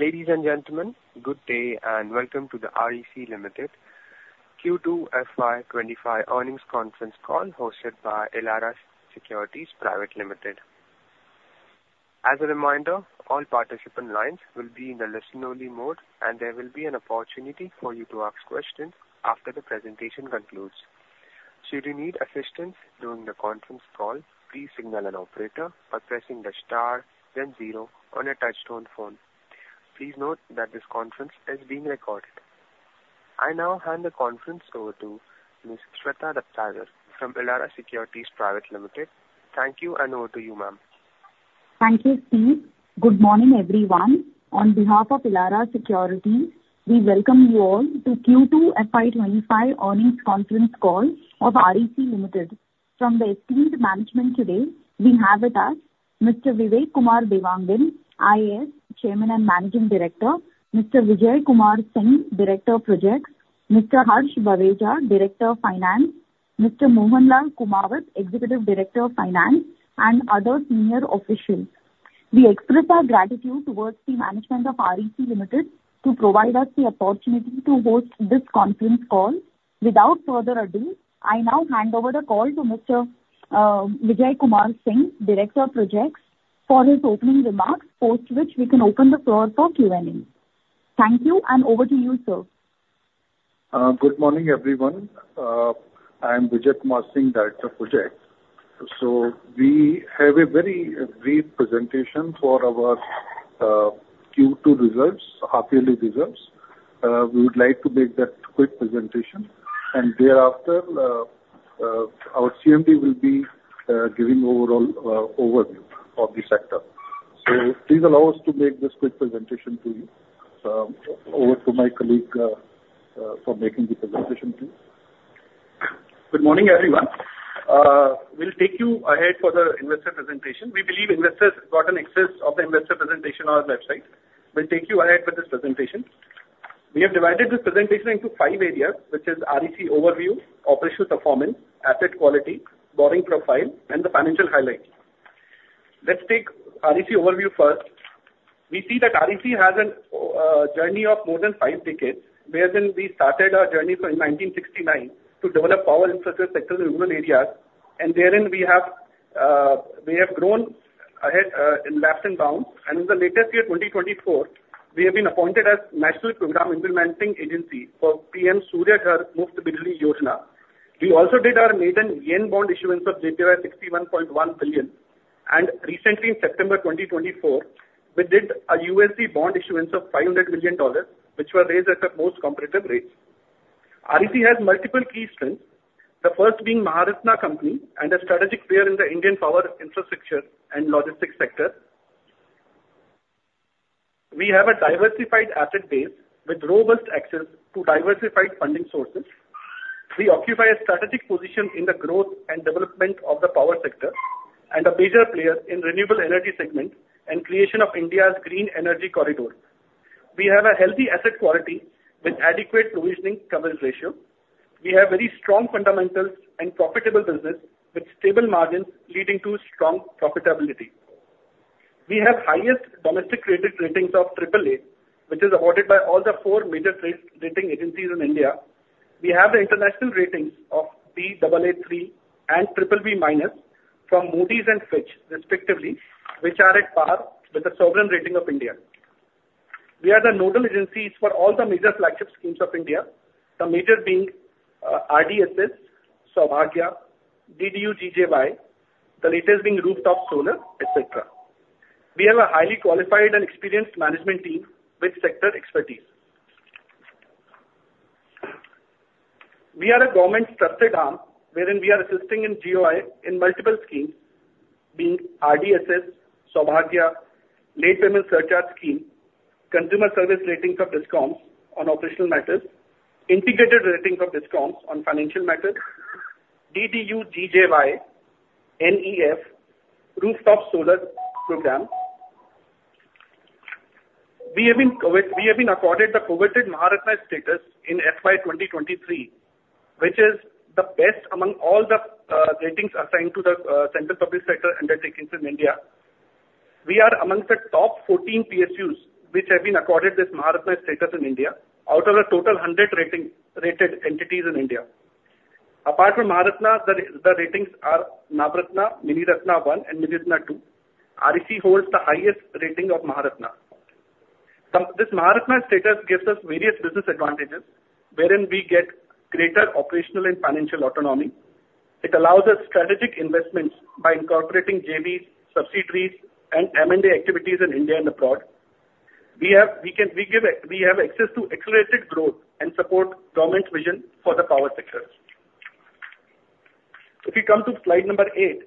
Ladies and gentlemen, good day, and welcome to the REC Limited Q2 FY twenty-five earnings conference call, hosted by Elara Securities Private Limited. As a reminder, all participant lines will be in the listen-only mode, and there will be an opportunity for you to ask questions after the presentation concludes. Should you need assistance during the conference call, please signal an operator by pressing the star then zero on your touchtone phone. Please note that this conference is being recorded. I now hand the conference over to Ms. Shweta Daptardar from Elara Securities Private Limited. Thank you, and over to you, ma'am. Thank you, Steve. Good morning, everyone. On behalf of Elara Securities, we welcome you all to Q2 FY twenty-five earnings conference call of REC Limited. From the esteemed management today, we have with us Mr. Vivek Kumar Dewangan, IAS, Chairman and Managing Director, Mr. Vijay Kumar Singh, Director of Projects, Mr. Harsh Baweja, Director of Finance, Mr. Mohan Lal Kumawat, Executive Director of Finance, and other senior officials. We express our gratitude towards the management of REC Limited to provide us the opportunity to host this conference call. Without further ado, I now hand over the call to Mr. Vijay Kumar Singh, Director of Projects, for his opening remarks, post which we can open the floor for Q&A. Thank you, and over to you, sir. Good morning, everyone. I'm Vijay Kumar Singh, Director of Projects. We have a very brief presentation for our Q2 results, half-yearly results. We would like to make that quick presentation, and thereafter, our CMD will be giving overall overview of the sector. Please allow us to make this quick presentation to you. Over to my colleague for making the presentation, please. Good morning, everyone. We'll take you ahead for the investor presentation. We believe investors got an access of the investor presentation on our website. We'll take you ahead with this presentation. We have divided this presentation into five areas, which is REC overview, operational performance, asset quality, borrowing profile, and the financial highlights. Let's take REC overview first. We see that REC has a journey of more than five decades, wherein we started our journey from nineteen sixty-nine to develop power infrastructure sectors in rural areas, and therein we have grown ahead in leaps and bounds. In the latest year, 2024, we have been appointed as National Program Implementing Agency for PM Surya Ghar: Muft Bijli Yojana. We also did our maiden yen bond issuance of JPY 61.1 billion, and recently in September 2024, we did a USD bond issuance of $500 million, which were raised at the most competitive rates. REC has multiple key strengths, the first being Maharatna company and a strategic player in the Indian power infrastructure and logistics sector. We have a diversified asset base with robust access to diversified funding sources. We occupy a strategic position in the growth and development of the power sector and a major player in renewable energy segment and creation of India's Green Energy Corridor. We have a healthy asset quality with adequate Provision Coverage Ratio. We have very strong fundamentals and profitable business, with stable margins leading to strong profitability. We have highest domestic credit ratings of triple A, which is awarded by all the four major rating agencies in India. We have the international ratings of Baa3 and triple B minus from Moody's and Fitch, respectively, which are at par with the sovereign rating of India. We are the nodal agencies for all the major flagship schemes of India, the major being RDSS, Saubhagya, DDU-GJY, the latest being rooftop solar, et cetera. We have a highly qualified and experienced management team with sector expertise. We are a government trusted arm, wherein we are assisting in GOI in multiple schemes, being RDSS, Saubhagya, Late Payment Surcharge Scheme, Consumer Service Ratings of DISCOMs on operational matters, Integrated Ratings of DISCOMs on financial matters, DDU-GJY, NEF, Rooftop Solar Program. We have been accorded the coveted Maharatna status in FY 2023, which is the best among all the ratings assigned to the central public sector undertakings in India. We are amongst the top 14 PSUs which have been accorded this Maharatna status in India, out of the total 100 rated entities in India. Apart from Maharatna, the ratings are Navratna, Miniratna one and Miniratna two. REC holds the highest rating of Maharatna. This Maharatna status gives us various business advantages, wherein we get greater operational and financial autonomy. It allows us strategic investments by incorporating JVs, subsidiaries, and M&A activities in India and abroad. We have access to accelerated growth and support government's vision for the power sector. If you come to slide number 8,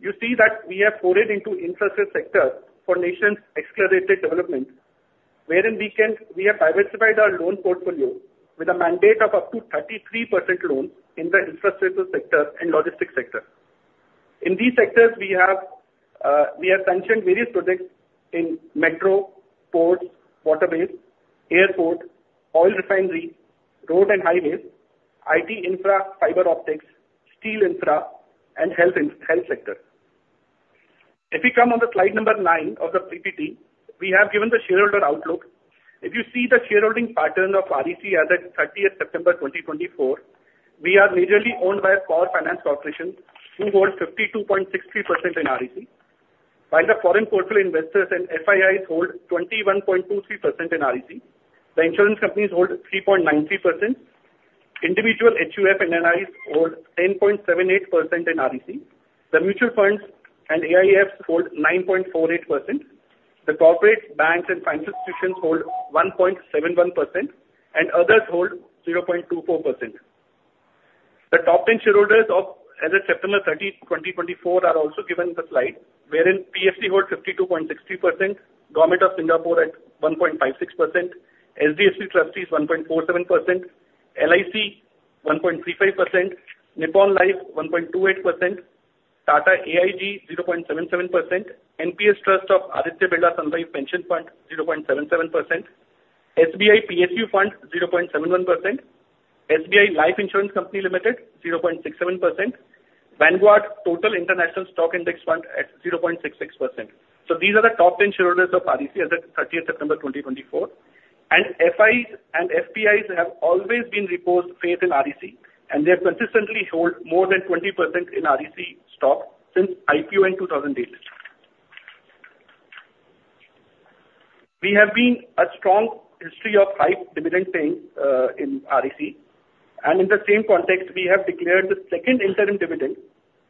you see that we have forayed into infrastructure sector for nation's accelerated development, wherein we can... We have diversified our loan portfolio with a mandate of up to 33% loans in the infrastructure sector and logistics sector. In these sectors, we have sanctioned various projects in metro, ports, waterways, airports, oil refineries, road and highways, IT infra, fiber optics, steel infra, and health sector. If you come on the slide number 9 of the PPT, we have given the shareholder outlook. If you see the shareholding pattern of REC as at thirtieth September 2024, we are majorly owned by Power Finance Corporation, who hold 52.63% in REC, while the foreign portfolio investors and FIIs hold 21.23% in REC. The insurance companies hold 3.93%. Individual HUF and HNIs hold 10.78% in REC. The mutual funds and AIFs hold 9.48%. The corporate banks and financial institutions hold 1.71%, and others hold 0.24%. The top ten shareholders as at September thirtieth, 2024, are also given in the slide, wherein PFC holds 52.63%, Government of Singapore at 1.56%, HDFC Trustees, 1.47%, LIC, 1.35%, Nippon Life, 1.28%, Tata AIG, 0.77%, NPS Trust of Aditya Birla Sun Life Pension Fund, 0.77%, SBI PSU Fund, 0.71%, SBI Life Insurance Company Limited, 0.67%, Vanguard Total International Stock Index Fund at 0.66%. So these are the top 10 shareholders of REC as at 30th September 2024, and FIs and FPIs have always been reposed faith in REC, and they consistently hold more than 20% in REC stock since IPO in 2008. We have a strong history of high dividend paying in REC, and in the same context, we have declared the second interim dividend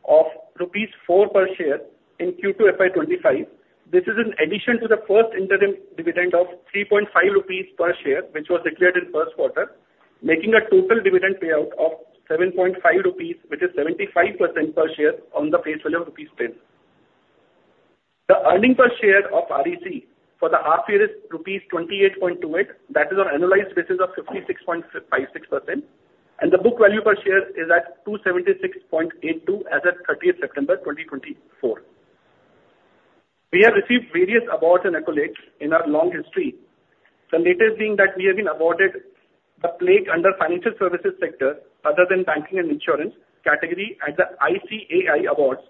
of rupees 4 per share in Q2 FY 2025. This is in addition to the first interim dividend of 3.5 rupees per share, which was declared in first quarter, making a total dividend payout of 7.5 rupees, which is 75% per share on the face value of rupees 10. The earning per share of REC for the half year is rupees 28.28. That is on analyzed basis of 56.56%, and the book value per share is at 276.82 as at 30th September 2024. We have received various awards and accolades in our long history. The latest being that we have been awarded the plaque under financial services sector, other than banking and insurance category at the REC Awards,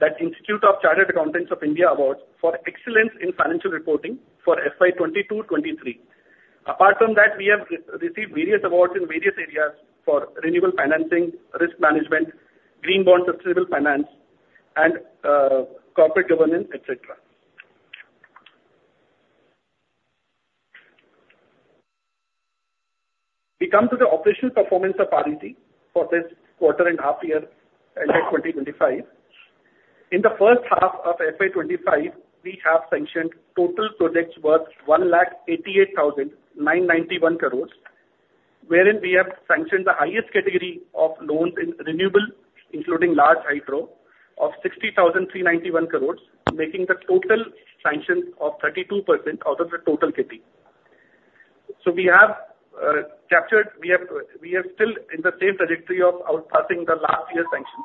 that Institute of Chartered Accountants of India Awards, for excellence in financial reporting for FY 2022-23. Apart from that, we have received various awards in various areas for renewable financing, risk management, green bond, sustainable finance, and corporate governance, et cetera. We come to the operational performance of REC for this quarter and half year, FY 2025. In the first half of FY twenty-five, we have sanctioned total projects worth 1,88,991 crore, wherein we have sanctioned the highest category of loans in renewable, including large hydro, of 63,391 crore, making total sanctions 32% out of the total kitty, so we have captured, we have, we are still in the same trajectory of outpacing the last year's sanction.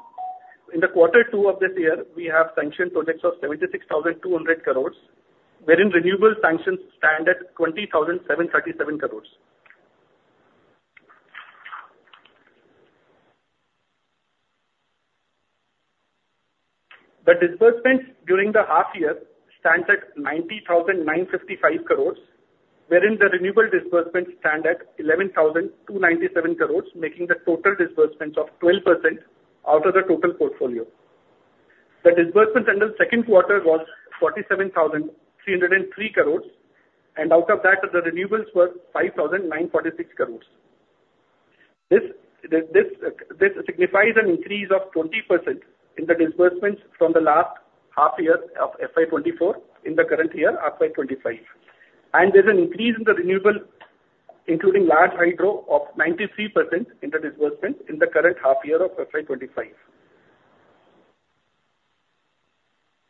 In quarter two of this year, we have sanctioned projects of 76,200 crore, wherein renewable sanctions stand at 27,737 crore. The disbursements during the half year stand at 99,955 crore, wherein the renewable disbursements stand at 12,297 crore, making total disbursements 12% out of the total portfolio. The disbursements under second quarter was 47,303 crores, and out of that, the renewables were 5,946 crores. This signifies an increase of 20% in the disbursements from the last half year of FY 2024 in the current year, FY 2025. There's an increase in the renewable, including large hydro, of 93% in the disbursement in the current half year of FY 2025.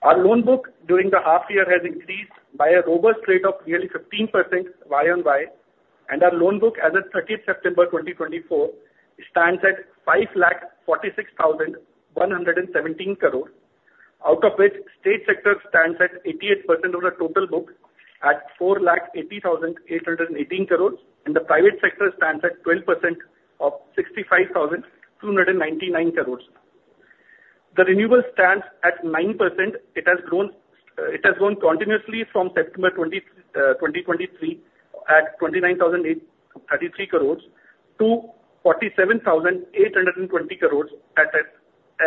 Our loan book during the half year has increased by a robust rate of nearly 15% Y-o-Y, and our loan book as of thirtieth September 2024 stands at five lakh forty-six thousand one hundred and seventeen crore, out of which state sector stands at 88% of the total book, at four lakh eighty thousand eight hundred and eighteen crores, and the private sector stands at 12% of sixty-five thousand two hundred and ninety-nine crores. The renewable stands at 9%. It has grown continuously from September 2023, at twenty-nine thousand eight hundred and thirty-three crores, to forty-seven thousand eight hundred and twenty crores, as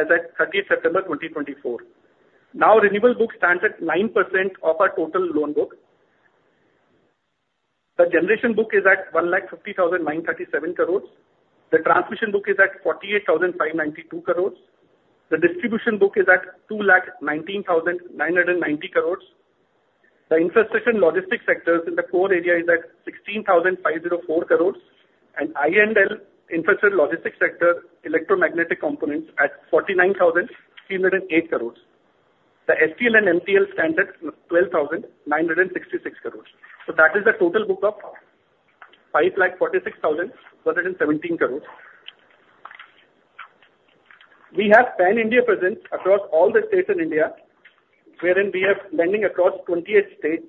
at thirtieth September 2024. Now, renewable book stands at 9% of our total loan book. The generation book is at one lakh fifty thousand nine hundred and thirty-seven crores. The transmission book is at forty-eight thousand five ninety-two crores. The distribution book is at two lakh nineteen thousand nine hundred and ninety crores. The infrastructure and logistics sectors in the core area is at sixteen thousand five zero four crores, and I&L, infrastructure logistics sector, electromagnetic components at forty-nine thousand three hundred and eight crores. The STL and MTL stands at twelve thousand nine hundred and sixty-six crores. So that is the total book of five lakh forty-six thousand one hundred and seventeen crores. We have pan-India presence across all the states in India, wherein we have lending across twenty-eight states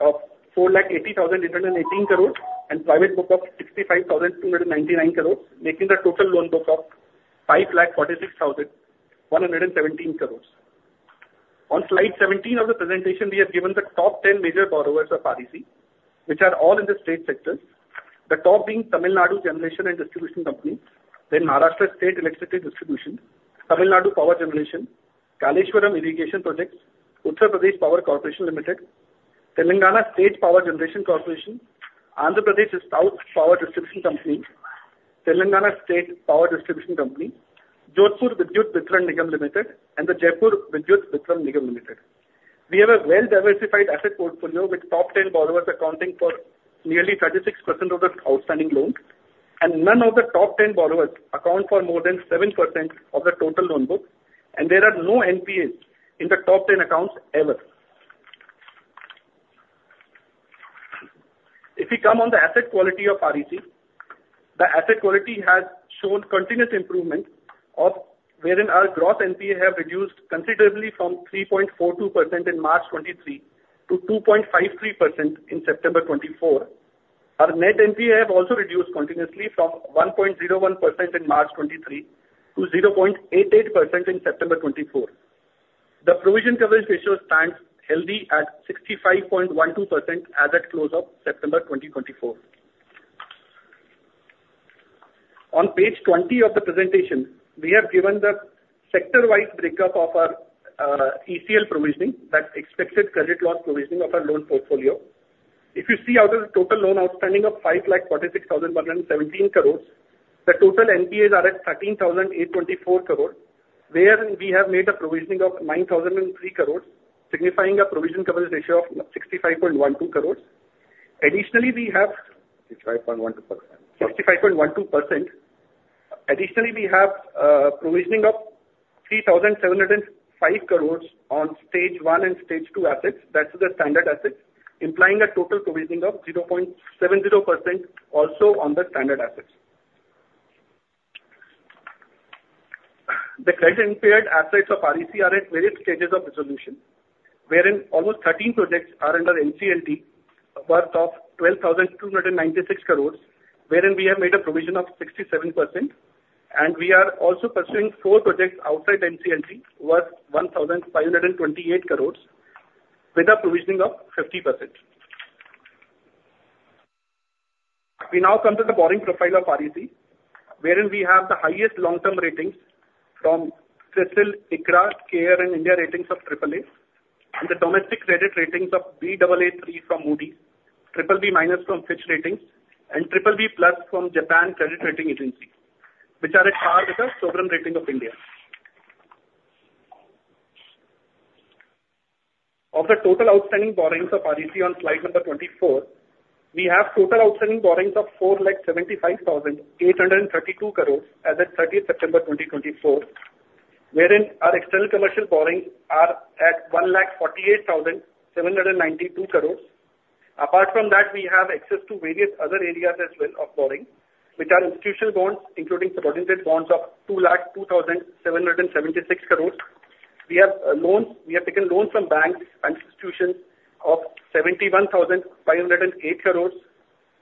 of four lakh eighty thousand eight hundred and eighteen crores and private book of sixty-five thousand two hundred and ninety-nine crores, making the total loan book of five lakh forty-six thousand one hundred and seventeen crores. On slide 17 of the presentation, we have given the top 10 major borrowers of REC, which are all in the state sectors. The top being Tamil Nadu Generation and Distribution Company, then Maharashtra State Electricity Distribution, Tamil Nadu Power Generation, Kaleshwaram Irrigation Projects, Uttar Pradesh Power Corporation Limited, Telangana State Power Generation Corporation, Andhra Pradesh Southern Power Distribution Company, Telangana State Power Distribution Company, Jodhpur Vidyut Vitran Nigam Limited, and the Jaipur Vidyut Vitran Nigam Limited. We have a well-diversified asset portfolio, with top 10 borrowers accounting for nearly 36% of the outstanding loans, and none of the top 10 borrowers account for more than 7% of the total loan book, and there are no NPAs in the top 10 accounts ever. If you come on the asset quality of REC, the asset quality has shown continuous improvement of wherein our gross NPA have reduced considerably from 3.42% in March 2023 to 2.53% in September 2024. Our net NPA have also reduced continuously from 1.01% in March 2023 to 0.88% in September 2024. The provision coverage ratio stands healthy at 65.12% as at close of September 2024. On page twenty of the presentation, we have given the sector-wise breakup of our ECL provisioning, that Expected Credit Loss provisioning of our loan portfolio. If you see out of the total loan outstanding of 546,117 crore, the total NPAs are at 13,824 crore, wherein we have made a provisioning of 9,003 crore, signifying a provision coverage ratio of 65.12%. Additionally, we have-65.12%. 65.12%. Additionally, we have provisioning of three thousand seven hundred and five crores on stage one and stage two assets. That's the standard assets, implying a total provisioning of 0.70% also on the standard assets. The credit impaired assets of REC are at various stages of resolution, wherein almost 13 projects are under NCLT, worth of twelve thousand two hundred and ninety-six crores, wherein we have made a provision of 67%, and we are also pursuing four projects outside NCLT, worth one thousand five hundred and twenty-eight crores with a provisioning of 50%. We now come to the borrowing profile of REC, wherein we have the highest long-term ratings from CRISIL, ICRA, CARE and India Ratings of triple A, and the domestic credit ratings of Baa3 from Moody's, triple B minus from Fitch Ratings, and triple B plus from Japan Credit Rating Agency, which are at par with the sovereign rating of India. Of the total outstanding borrowings of REC on slide number twenty-four, we have total outstanding borrowings of four lakh seventy-five thousand eight hundred and thirty-two crores as at thirtieth September twenty twenty-four, wherein our external commercial borrowings are at one lakh forty-eight thousand seven hundred and ninety-two crores. Apart from that, we have access to various other areas as well of borrowing, which are institutional bonds, including contingent bonds of two lakh two thousand seven hundred and seventy-six crores. We have loans; we have taken loans from banks and institutions of 71,508 crores.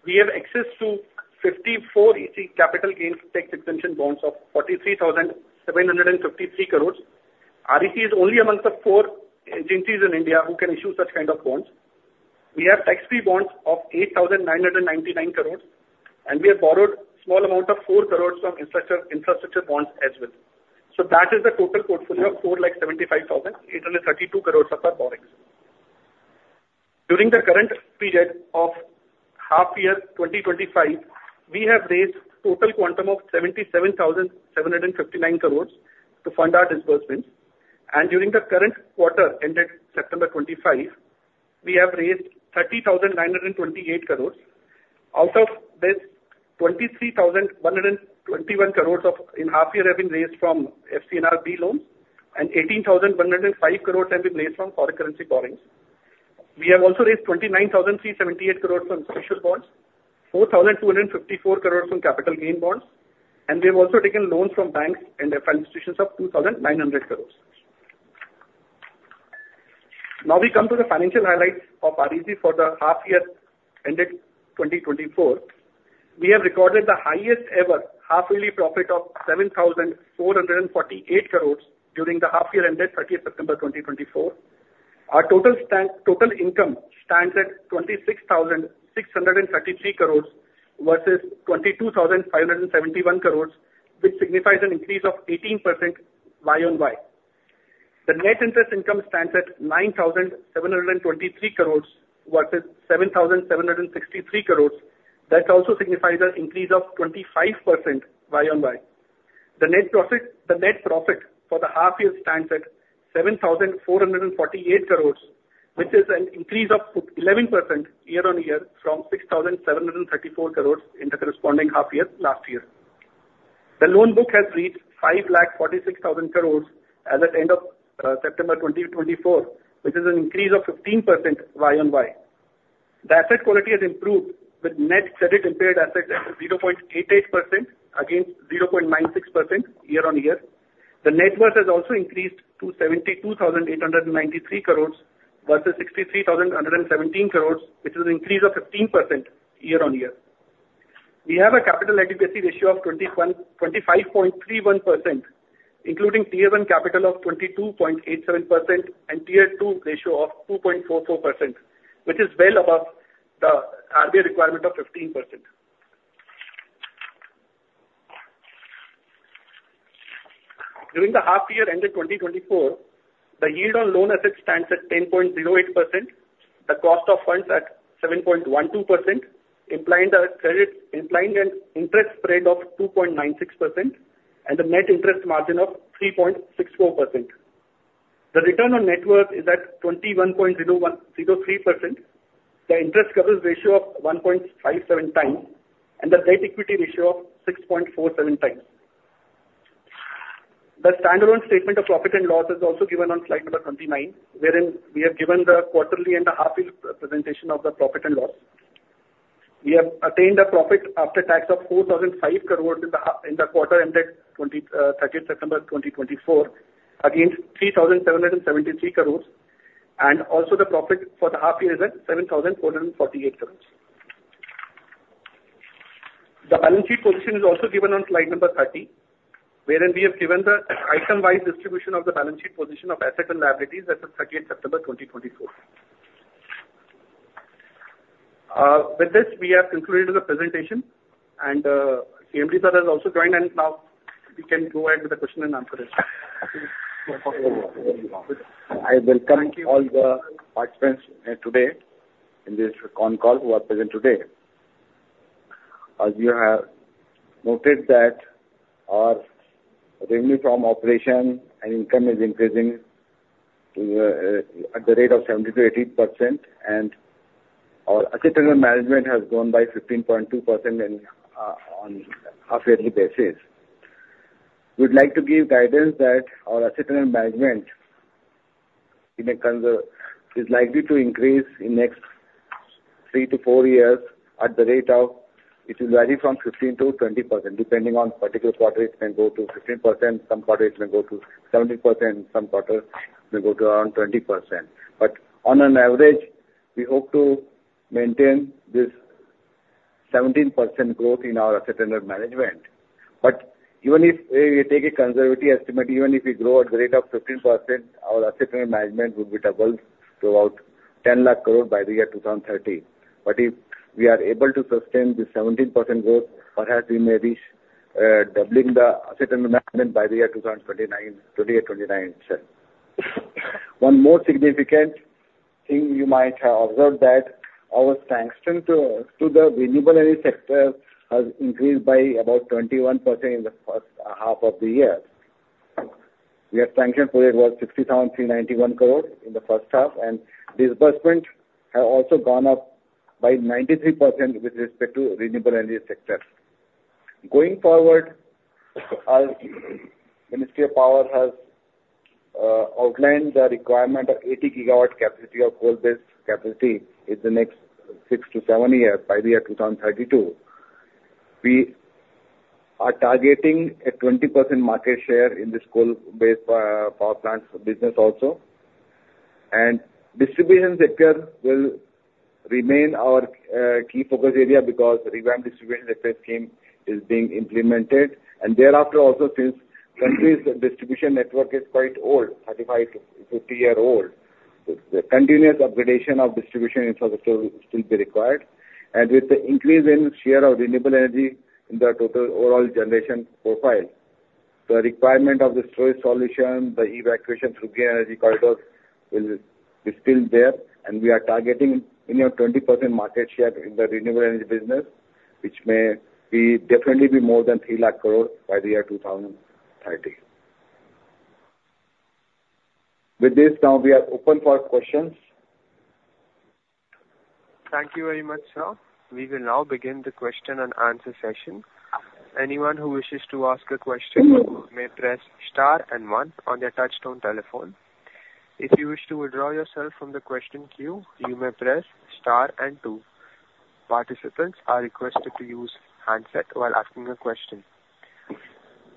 We have access to 54EC capital gains tax exemption bonds of 43,753 crores. REC is only amongst the four agencies in India who can issue such kind of bonds. We have Tax Free bonds of 8,999 crores, and we have borrowed small amount of 4 crores from infrastructure bonds as well. So that is the total portfolio of 4,75,832 crores of our borrowings. During the current period of half year 2025, we have raised total quantum of 77,759 crores to fund our disbursements. And during the current quarter ended September 2025, we have raised 30,928 crores. Out of this, 23,121 crores in half year have been raised from FCNRB loans, and 18,105 crores have been raised from foreign currency borrowings. We have also raised 29,378 crores from special bonds, 4,254 crores from capital gain bonds, and we have also taken loans from banks and financial institutions of 2,900 crores. Now we come to the financial highlights of REC for the half year ended 2024. We have recorded the highest ever half-yearly profit of 7,448 crores during the half year ended 30th September 2024. Our total income stands at 26,633 crores versus 22,571 crores, which signifies an increase of 18% Y on Y. The net interest income stands at 9,723 crores versus 7,763 crores. That also signifies an increase of 25% Y on Y. The net profit, the net profit for the half year stands at 7,448 crores, which is an increase of 11% year on year from 6,734 crores in the corresponding half year last year. The loan book has reached 5.46 lakh crores as at end of September 2024, which is an increase of 15% Y on Y. The asset quality has improved, with net credit impaired assets at 0.88% against 0.96% year-on-year. The net worth has also increased to 72,893 crore versus 63,117 crore, which is an increase of 15% year-on-year. We have a capital adequacy ratio of 25.31%, including Tier I capital of 22.87% and Tier II ratio of 2.44%, which is well above the RBI requirement of 15%. During the half year ended 2024, the yield on loan assets stands at 10.08%, the cost of funds at 7.12%, implying an interest spread of 2.96% and a net interest margin of 3.64%. The return on net worth is at 21.013%, the interest coverage ratio of 1.57 times, and the net equity ratio of 6.47 times. The standalone statement of profit and loss is also given on slide number 29, wherein we have given the quarterly and the half year presentation of the profit and loss. We have attained a profit after tax of 4,500 crores in the half, in the quarter ended 30th September 2024, against 3,773 crores, and also the profit for the half year is at 7,448 crores. The balance sheet position is also given on slide number 30, wherein we have given the item-wise distribution of the balance sheet position of assets and liabilities as of 30th September 2024. With this, we have concluded the presentation, and CMD sir has also joined, and now we can go ahead with the question and answer session. I welcome- Thank you. All the participants today in this con call who are present today. As you have noted that our revenue from operation and income is increasing to at the rate of 70%-80%, and our asset under management has grown by 15.2% and on half yearly basis. We'd like to give guidance that our asset under management is likely to increase in next three to four years at the rate of, it will vary from 15%-20%. Depending on particular quarter, it can go to 15%, some quarters it may go to 17%, some quarters may go to around 20%. But on an average, we hope to maintain this 17% growth in our asset under management. But even if we take a conservative estimate, even if we grow at the rate of 15%, our asset under management would be doubled to about ten lakh crore by the year two thousand thirty. But if we are able to sustain this 17% growth, perhaps we may be doubling the asset under management by the year two thousand twenty-nine, twenty-eight, twenty-nine, sir. One more significant thing you might have observed that our sanction to the renewable energy sector has increased by about 21% in the first half of the year. We have sanctioned projects worth 60,391 crore in the first half, and disbursements have also gone up by 93% with respect to renewable energy sector. Going forward, our Ministry of Power has outlined the requirement of 80 gigawatt capacity of coal-based capacity in the next six to seven years, by the year 2032. We are targeting a 20% market share in this coal-based power plants business also. And distribution sector will remain our key focus area because Revamped Distribution Sector Scheme is being implemented. And thereafter also, since country's distribution network is quite old, 35- to 50-year-old, the continuous upgradation of distribution infrastructure will still be required. And with the increase in share of renewable energy in the total overall generation profile, the requirement of the storage solution, the evacuation through Green Energy Corridors will be still there, and we are targeting near 20% market share in the renewable energy business, which may definitely be more than three lakh crore by the year 2030. With this, now we are open for questions. Thank you very much, sir. We will now begin the question and answer session. Anyone who wishes to ask a question may press star and one on their touch-tone telephone. If you wish to withdraw yourself from the question queue, you may press star and two. Participants are requested to use handset while asking a question.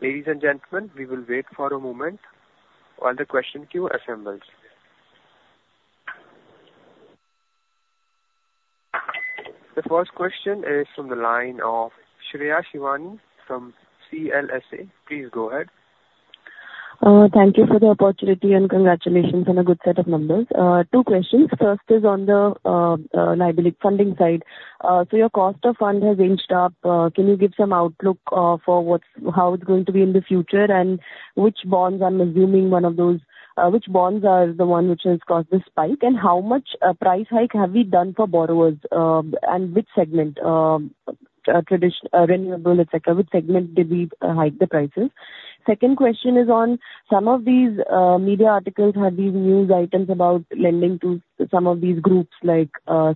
Ladies and gentlemen, we will wait for a moment while the question queue assembles. The first question is from the line of Shreya Shivani from CLSA. Please go ahead. Thank you for the opportunity, and congratulations on a good set of numbers. Two questions. First is on the liability funding side. So your cost of funds has inched up. Can you give some outlook for what's, how it's going to be in the future? And which bonds, I'm assuming one of those, which bonds are the one which has caused the spike, and how much price hike have we done for borrowers? And which segment, traditional, renewable et cetera, which segment did we hike the prices? Second question is on some of these media articles had these news items about lending to some of these groups, like,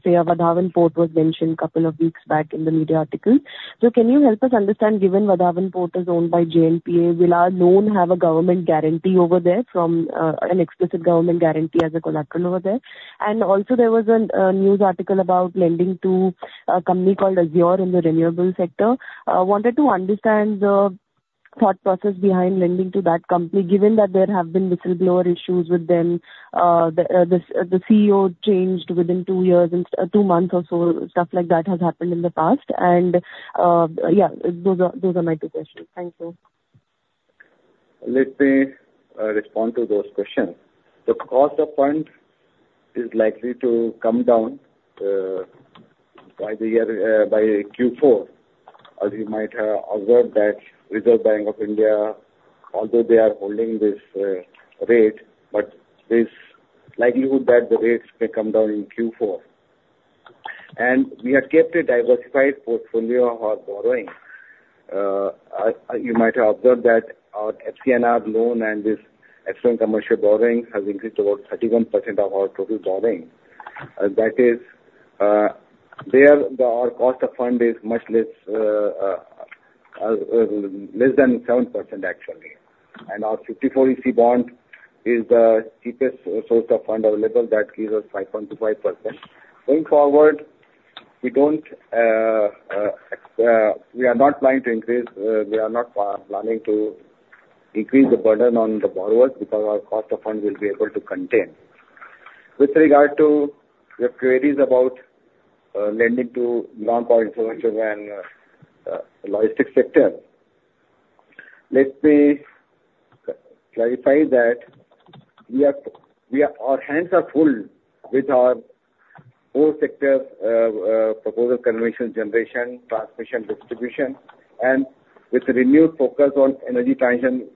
say, Vadhavan Port was mentioned couple of weeks back in the media article. So can you help us understand, given Vadhavan Port is owned by JNPA, will our loan have a government guarantee over there from an explicit government guarantee as a collateral over there? And also there was a news article about lending to a company called Azure in the renewable sector. Wanted to understand the thought process behind lending to that company, given that there have been whistleblower issues with them, the CEO changed within two years and two months or so, stuff like that has happened in the past. And yeah, those are my two questions. Thank you. Let me respond to those questions. The cost of funds is likely to come down by the year, by Q4, as you might have observed that Reserve Bank of India, although they are holding this rate, but there's likelihood that the rates may come down in Q4, and we have kept a diversified portfolio of our borrowing. You might have observed that our FCNR loan and this external commercial borrowing has increased about 31% of our total borrowing. That is, there the, our cost of fund is much less, less than 7%, actually, and our 54EC bond is the cheapest source of fund available that gives us 5.5%. Going forward, we are not planning to increase the burden on the borrowers because our cost of funds will be able to contain. With regard to your queries about lending to non-power infrastructure and logistics sector, let me clarify that our hands are full with our core sector generation, transmission, distribution, and with a renewed focus on energy transition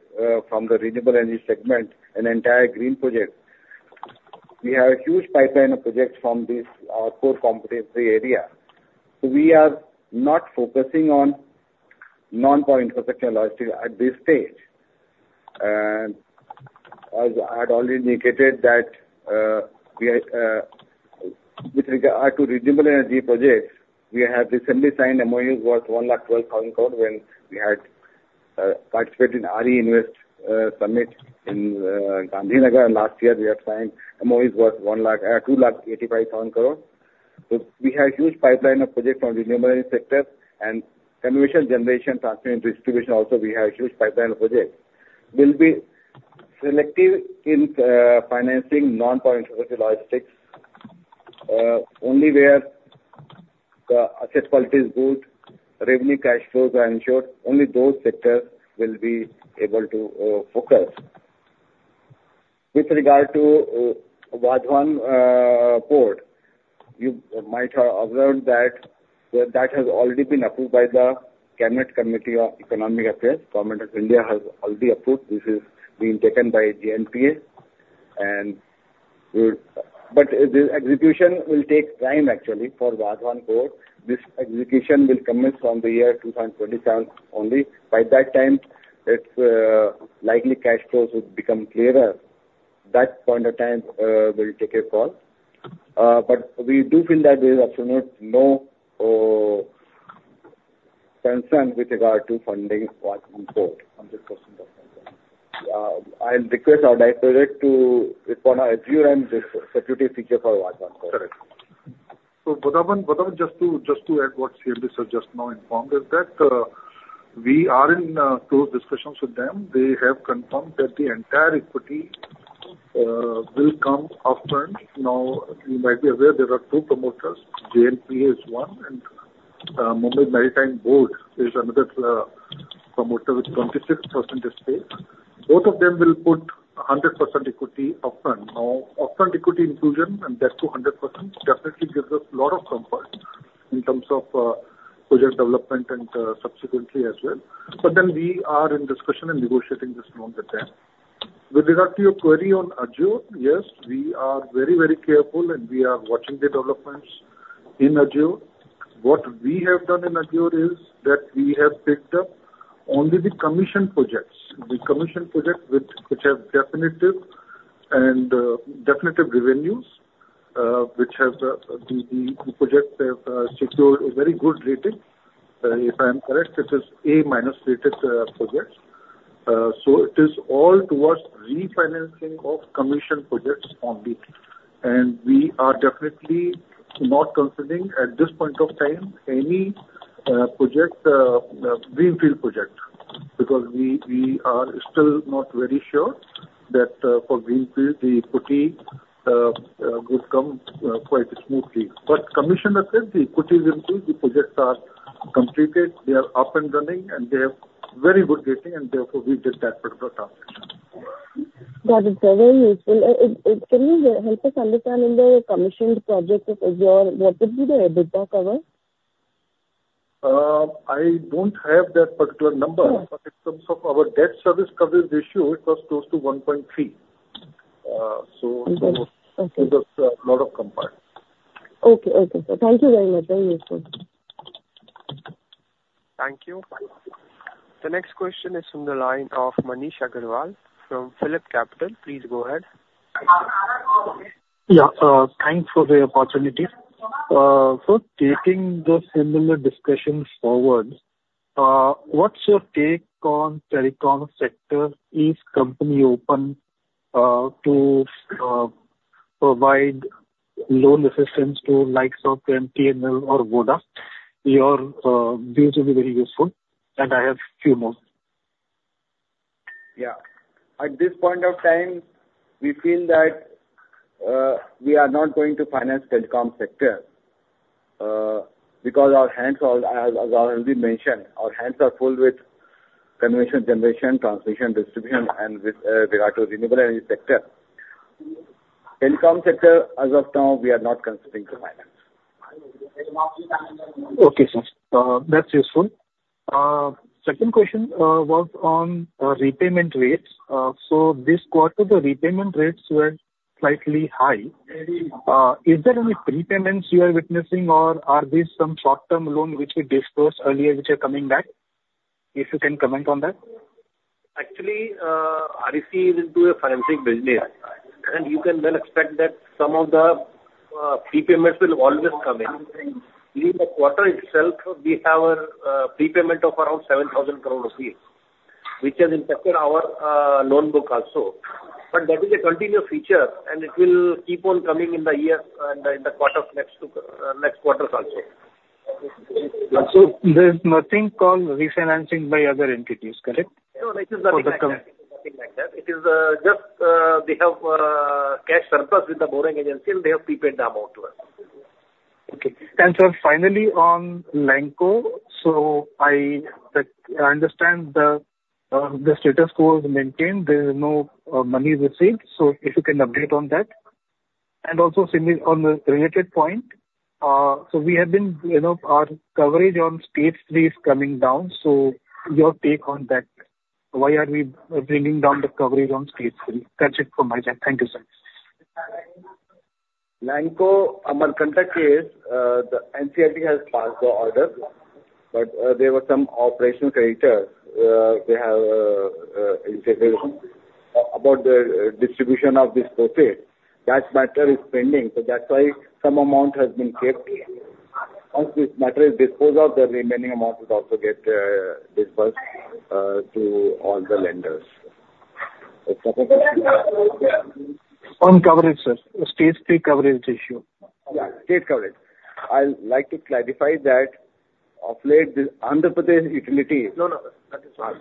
from the renewable energy segment and entire green project. We have a huge pipeline of projects from this core competency area. So we are not focusing on non-core infrastructure and logistics at this stage. And as I had already indicated that, we are... With regard to renewable energy projects, we have recently signed MOUs worth one lakh twelve thousand crore when we had participated in RE Invest Summit in Gandhinagar last year, we have signed MOUs worth one lakh two lakh eighty-five thousand crore. So we have a huge pipeline of projects from renewable energy sector and conversion generation, transmission, distribution also, we have huge pipeline projects. We'll be selective in financing non-core infrastructure logistics only where the asset quality is good, revenue cash flows are ensured, only those sectors we'll be able to focus. With regard to Vadhavan port, you might have observed that that has already been approved by the Cabinet Committee on Economic Affairs. Government of India has already approved. This is being taken by JNPA, and we'll. But the execution will take time actually, for Vadhavan Port. This execution will commence from the year two thousand twenty-seven only. By that time, its likely cash flows will become clearer. At that point of time, we'll take a call, but we do feel that there is absolutely no concern with regard to funding Vadhavan Port. I'll request our director to respond or add on this specific feature for Vadhavan Port. Correct. Vadhavan, just to add what CMD sir just now informed, is that we are in close discussions with them. They have confirmed that the entire equity will come up front. Now, you might be aware there are two promoters: JNPA is one, and Maharashtra Maritime Board is another promoter with 26% stake. Both of them will put 100% equity up front. Now, up front equity inclusion and that too 100%, definitely gives us a lot of comfort in terms of project development and subsequently as well. But then we are in discussion and negotiating this loan with them. With regard to your query on Azure, yes, we are very, very careful and we are watching the developments in Azure. What we have done in Azure is, that we have picked up only the commission projects. The commission projects which have definitive revenues, which the projects have secured a very good rating. If I'm correct, it is A minus rated projects. So it is all towards refinancing of commission projects only. And we are definitely not considering, at this point of time, any greenfield project. Because we are still not very sure that, for greenfield, the equity would come quite smoothly. But commission assets, the equity is improved, the projects are completed, they are up and running, and they have very good rating, and therefore we did that particular transaction. That is very useful. Can you help us understand in the commissioned projects of Azure, what is the EBITDA cover? I don't have that particular number- Yeah. But in terms of our Debt Service Coverage Ratio, it was close to one point three.... so it's a lot of compliance. Okay, okay. Thank you very much. Thank you, sir. Thank you. The next question is from the line of Manish Agarwal from PhillipCapital. Please go ahead. Yeah, thanks for the opportunity. So taking the similar discussions forward, what's your take on telecom sector? Is company open to provide loan assistance to likes of MTNL or Voda? Your views will be very useful, and I have few more. Yeah. At this point of time, we feel that, we are not going to finance telecom sector, because our hands are, as already mentioned, our hands are full with generation, transmission, distribution, and with, regard to renewable energy sector. Telecom sector, as of now, we are not considering to finance. Okay, sir. That's useful. Second question was on repayment rates. So this quarter, the repayment rates were slightly high. Is there any prepayments you are witnessing, or are these some short-term loan which we discussed earlier, which are coming back? If you can comment on that. Actually, REC is into a financing business, and you can then expect that some of the prepayments will always come in. In the quarter itself, we have a prepayment of around 7,000 crore rupees, which has impacted our loan book also. But that is a continuous feature, and it will keep on coming in the year and in the next two quarters also. So there's nothing called refinancing by other entities, correct? No, it is nothing like that. It is just they have cash surplus with the borrowing agency and they have prepaid the amount to us. Okay. Sir, finally, on Lanco, I understand the status quo is maintained. There is no money received, so if you can update on that. Also, similarly on the related point, we have been, you know, our coverage on Stage Three is coming down, so your take on that. Why are we bringing down the coverage on Stage Three? That's it from my end. Thank you, sir. Lanco Amarkantak case, the NCLT has passed the order, but, there were some operational creditors, they have about the distribution of this profit. That matter is pending, so that's why some amount has been kept. Once this matter is disposed of, the remaining amount will also get disbursed to all the lenders. On coverage, sir. The Stage Three coverage issue. Yeah, stage coverage. I'd like to clarify that of late, the Andhra Pradesh utility- No, no, that is fine.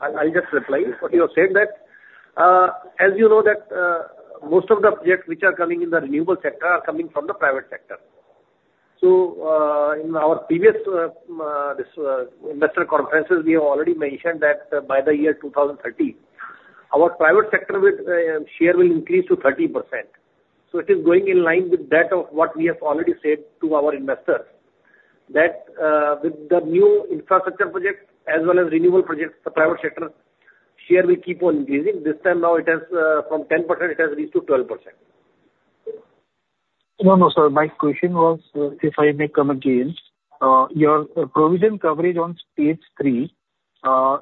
I'll just reply to what you are saying that, as you know, most of the projects which are coming in the renewable sector are coming from the private sector. So, in our previous investor conferences, we have already mentioned that by the year two thousand and thirty, our private sector share will increase to 30%. So it is going in line with that of what we have already said to our investors, that, with the new infrastructure projects as well as renewable projects, the private sector share will keep on increasing. This time now it has, from 10%, it has reached to 12%. No, no, sir, my question was, if I may come again, your provision coverage on Stage Three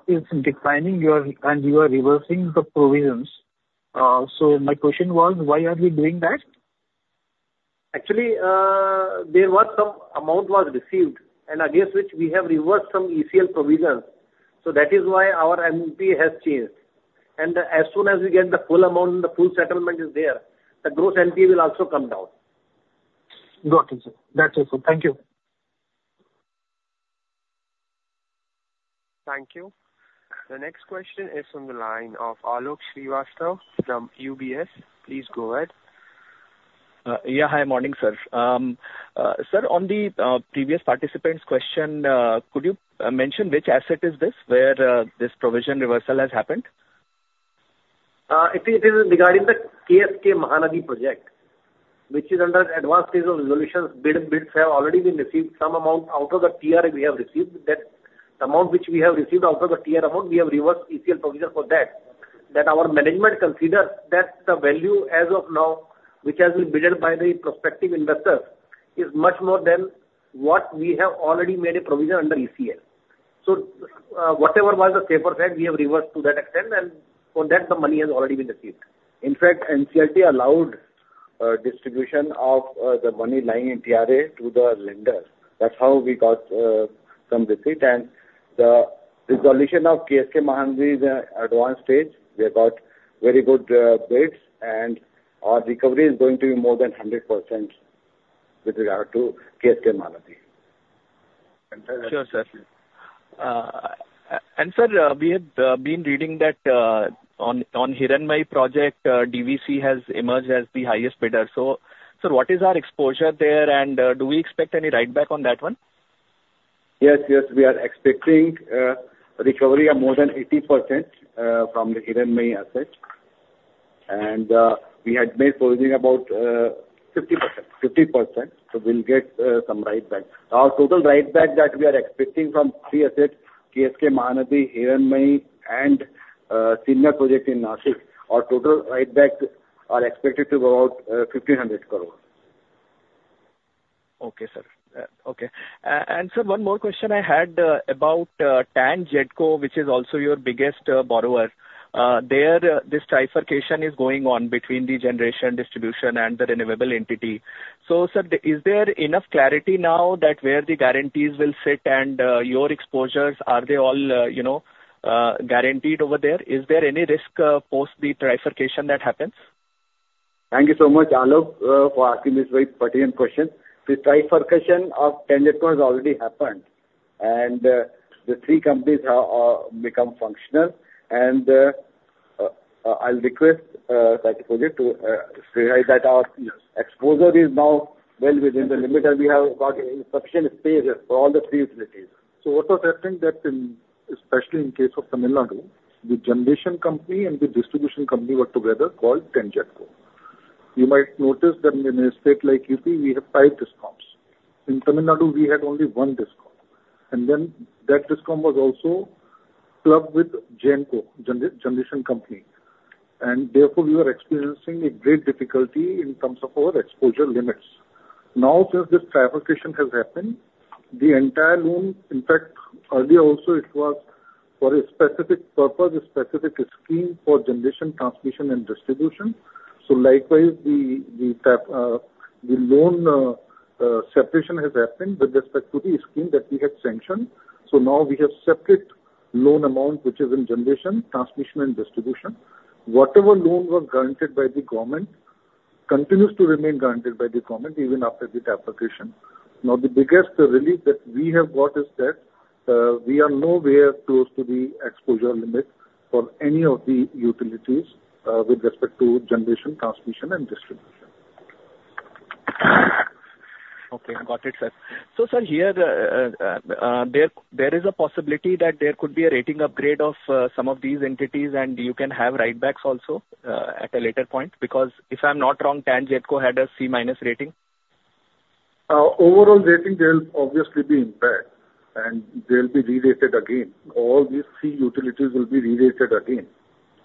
is declining your... And you are reversing the provisions. So my question was, why are we doing that? Actually, there was some amount was received, and against which we have reversed some ECL provisions. So that is why our NPA has changed. And as soon as we get the full amount and the full settlement is there, the gross NPA will also come down. Got it, sir. That's useful. Thank you. Thank you. The next question is from the line of Alok Srivastava from UBS. Please go ahead. Yeah, hi, morning, sir. Sir, on the previous participant's question, could you mention which asset is this, where this provision reversal has happened? It is regarding the KSK Mahanadi project, which is under advanced stage of resolutions. Bids have already been received. Some amount out of the TRA we have received. That amount which we have received out of the TRA amount, we have reversed ECL provision for that. That our management considers that the value as of now, which has been bid by the prospective investors, is much more than what we have already made a provision under ECL. So, whatever was the paper loss, we have reversed to that extent, and for that the money has already been received. In fact, NCLT allowed a distribution of the money lying in TRA to the lenders. That's how we got some receipt. The resolution of KSK Mahanadi is at advanced stage. We have got very good bids, and our recovery is going to be more than 100% with regard to KSK Mahanadi. Sure, sir. And sir, we had been reading that on Hiranmaye project, DVC has emerged as the highest bidder. So sir, what is our exposure there, and do we expect any writeback on that one? Yes, yes, we are expecting recovery of more than 80% from the Hiranmaye asset, and we had made provisioning about 50%, so we'll get some write back. Our total write back that we are expecting from three assets, KSK Mahanadi, Hiranmaye, and Sinnar project in Nashik. Our total write back are expected to be about 1,500 crore. Okay, sir. Okay. And sir, one more question I had, about TANGEDCO, which is also your biggest borrower. There, this trifurcation is going on between the generation, distribution, and the renewable entity. So sir, is there enough clarity now that where the guarantees will fit and your exposures, are they all, you know, guaranteed over there? Is there any risk post the trifurcation that happens? Thank you so much, Anup, for asking this very pertinent question. The trifurcation of TANGEDCO has already happened, and the three companies have become functional. I'll request Satyajit to say that our exposure is now well within the limit, and we have got sufficient space for all the three utilities. So what was happening, especially in the case of Tamil Nadu, the generation company and the distribution company were together called TANGEDCO. You might notice that in a state like UP, we have five discoms. In Tamil Nadu, we had only one discom, and then that discom was also clubbed with Genco, generation company, and therefore, we were experiencing a great difficulty in terms of our exposure limits. Now, since this trifurcation has happened, the entire loan, in fact, earlier also it was for a specific purpose, a specific scheme for generation, transmission, and distribution. Likewise, the loan separation has happened with respect to the scheme that we had sanctioned. Now we have separate loan amount, which is in generation, transmission, and distribution. Whatever loans were guaranteed by the government continues to remain guaranteed by the government, even after the trifurcation. Now, the biggest relief that we have got is that, we are nowhere close to the exposure limit for any of the utilities, with respect to generation, transmission, and distribution. Okay, got it, sir. So sir, here, there is a possibility that there could be a rating upgrade of some of these entities, and you can have write backs also at a later point, because if I'm not wrong, TANGEDCO had a C minus rating? Overall rating, there will obviously be impact, and they'll be re-rated again. All these three utilities will be re-rated again.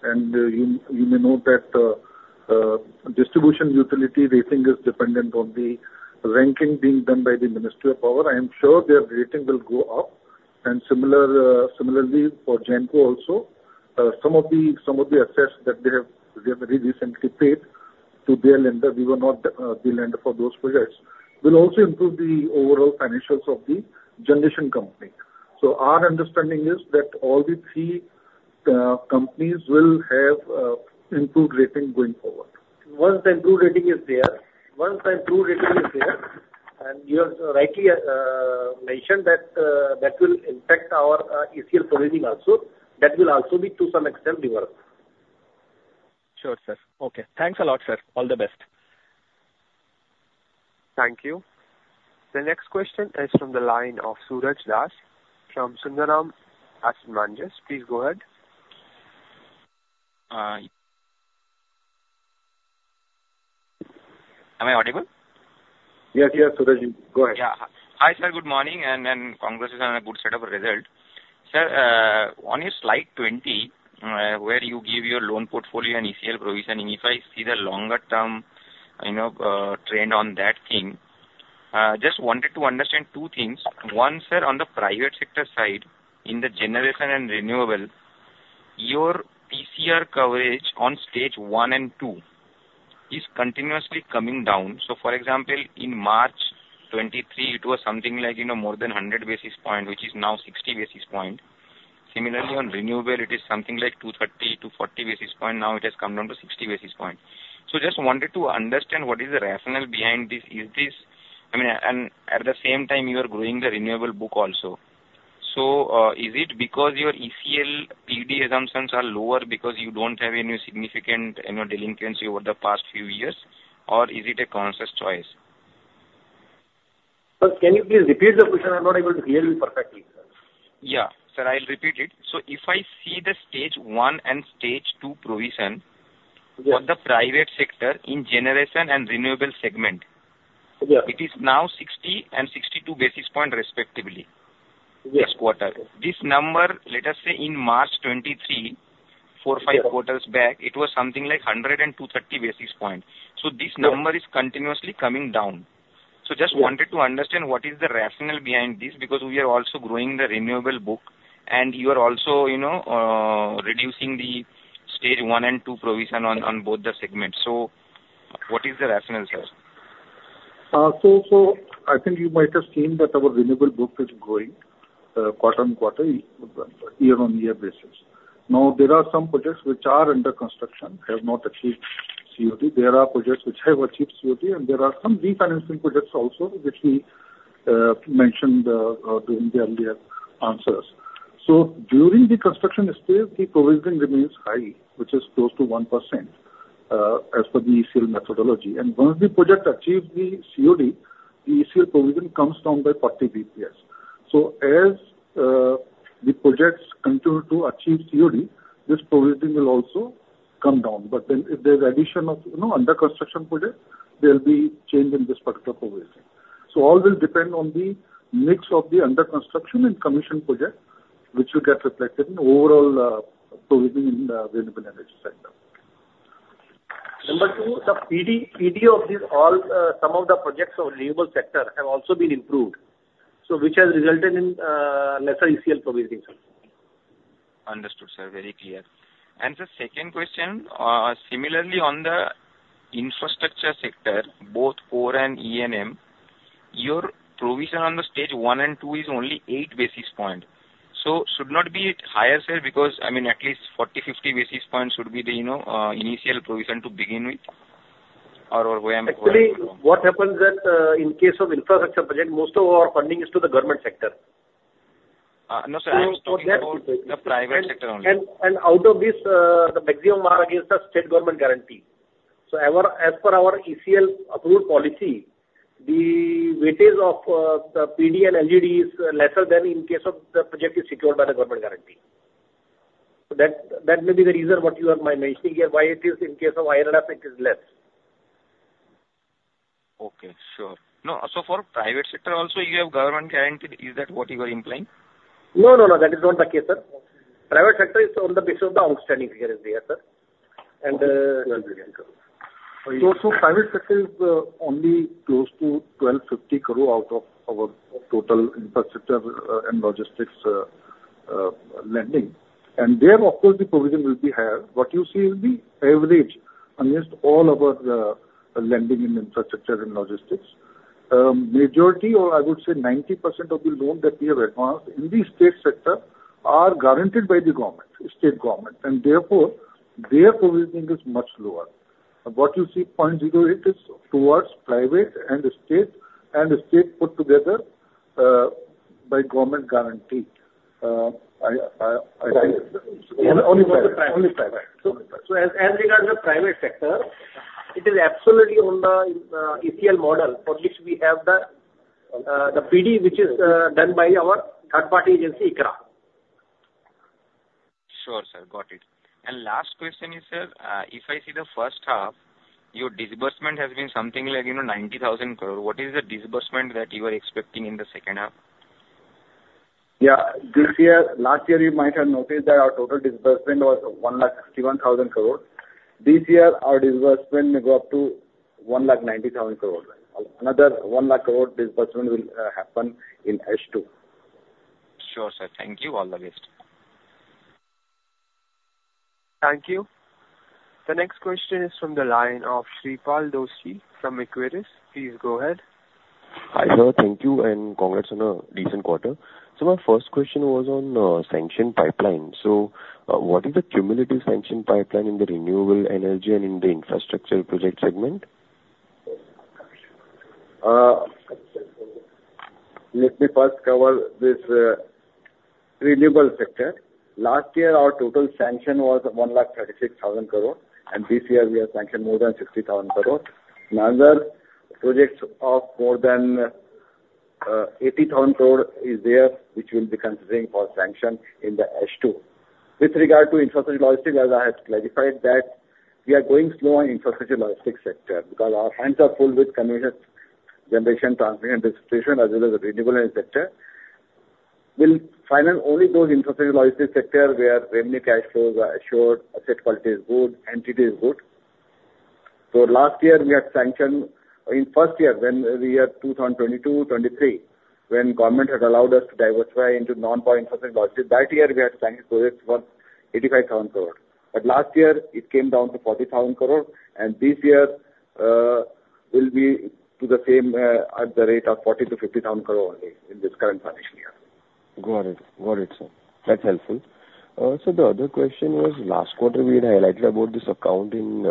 You may note that distribution utility rating is dependent on the ranking being done by the Ministry of Power. I am sure their rating will go up, and similarly for Genco also. Some of the assets that they have, they very recently paid to their lender. We were not the lender for those projects will also improve the overall financials of the generation company. So our understanding is that all the three companies will have improved rating going forward. Once the improved rating is there, and you have rightly mentioned that, that will impact our ECL provisioning also. That will also be, to some extent, reversed. Sure, sir. Okay. Thanks a lot, sir. All the best. Thank you. The next question is from the line of Suraj Das from Sundaram Asset Managers. Please go ahead. Am I audible? Yes, yes, Suraj, go ahead. Yeah. Hi, sir. Good morning, and congratulations on a good set of results. Sir, on your slide twenty, where you give your loan portfolio and ECL provisioning, if I see the longer term, you know, trend on that thing, just wanted to understand two things. One, sir, on the private sector side, in the generation and renewable, your PCR coverage on stage one and two is continuously coming down. So for example, in March 2023, it was something like, you know, more than 100 basis points, which is now 60 basis points. Similarly, on renewable, it is something like 230 to 40 basis points, now it has come down to 60 basis points. So just wanted to understand what is the rationale behind this. Is this... I mean, and at the same time, you are growing the renewable book also. Is it because your ECL PD assumptions are lower because you don't have any significant, you know, delinquency over the past few years, or is it a conscious choice? Sir, can you please repeat the question? I'm not able to hear you perfectly, sir. Yeah. Sir, I'll repeat it. So if I see the stage one and stage two provision- Yes. for the private sector in generation and renewable segment Yes. It is now 60 and 62 basis points, respectively. Yes. This quarter. This number, let us say in March 2023, four, five- Yes... quarters back, it was something like 102.30 basis points. Yes. This number is continuously coming down. Yes. So just wanted to understand what is the rationale behind this, because we are also growing the renewable book, and you are also, you know, reducing the stage one and two provision on both the segments. So what is the rationale, sir? I think you might have seen that our renewable book is growing quarter on quarter, year on year basis. Now, there are some projects which are under construction, have not achieved COD. There are projects which have achieved COD, and there are some refinancing projects also, which we mentioned during the earlier answers. So during the construction stage, the provisioning remains high, which is close to 1%, as per the ECL methodology. And once the project achieve the COD, the ECL provision comes down by 40 basis points.... So as the projects continue to achieve COD, this provisioning will also come down. But then if there's addition of, you know, under construction project, there'll be change in this particular provisioning. So all will depend on the mix of the under construction and commission project, which will get reflected in the overall provisioning in the renewable energy sector. Number two, the PD, PD of these all some of the projects of renewable sector have also been improved, so which has resulted in lesser ECL provisioning, sir. Understood, sir. Very clear. And the second question, similarly on the infrastructure sector, both core and E&M, your provision on the stage one and two is only eight basis points. So should not be higher, sir, because I mean at least 40, 50 basis points should be the, you know, initial provision to begin with. Or, or why am- Actually, what happens that, in case of infrastructure project, most of our funding is to the government sector. No, sir, I was talking about the private sector only. And out of this, the maximum are against the state government guarantee. So as per our ECL approved policy, the weightage of the PD and NGD is lesser than in case of the project is secured by the government guarantee. So that may be the reason what you are mentioning here, why it is in case of IRF it is less. Okay, sure. No, so for private sector also, you have government guaranteed. Is that what you are implying? No, no, no. That is not the case, sir. Private sector is on the basis of the outstanding here and there, sir. And, Private sector is only close to INR 1,250 crore out of our total Infrastructure and Logistics lending. There, of course, the provision will be higher. What you see is the average against all of our lending in Infrastructure and Logistics. Majority or I would say 90% of the loans that we have advanced in the state sector are guaranteed by the government, state government, and therefore, their provisioning is much lower. What you see, 0.08, is towards private and state put together by government guarantee. Only for the private, only private. So as regards the private sector, it is absolutely on the ECL model for which we have the PD, which is done by our third party agency, ICRA. Sure, sir. Got it. And last question is, sir, if I see the first half, your disbursement has been something like, you know, 90,000 crore. What is the disbursement that you are expecting in the second half? Yeah, this year - last year, you might have noticed that our total disbursement was one lakh sixty-one thousand crore. This year, our disbursement may go up to one lakh ninety thousand crore. Another one lakh crore disbursement will happen in H2. Sure, sir. Thank you. All the best. Thank you. The next question is from the line of Sripal Doshi from Equirus. Please go ahead. Hi, sir. Thank you, and congrats on a decent quarter. So my first question was on sanction pipeline. So, what is the cumulative sanction pipeline in the renewable energy and in the infrastructure project segment? Let me first cover this, renewable sector. Last year, our total sanction was one lakh thirty-six thousand crore, and this year we have sanctioned more than sixty thousand crore. Another projects of more than eighty thousand crore is there, which we'll be considering for sanction in the H2. With regard to infrastructure logistics, as I have clarified, that we are going slow on infrastructure logistics sector because our hands are full with conventional generation, transmission, and distribution, as well as the renewable energy sector. We'll finance only those infrastructure logistics sector where remedy cash flows are assured, asset quality is good, entity is good. So last year we had sanctioned. In first year, when the year two thousand twenty-two, twenty-three, when government had allowed us to diversify into non-core infrastructure logistics, that year we had to sanction projects worth eighty-five thousand crore. But last year it came down to 40,000 crore, and this year will be to the same, at the rate of 40,000-50,000 crore only in this current financial year. Got it. Got it, sir. That's helpful. Sir, the other question was, last quarter we had highlighted about this account in